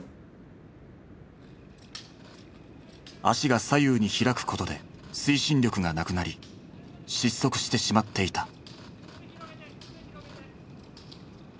足が左右に開くことで推進力がなくなり失速してしまっていた。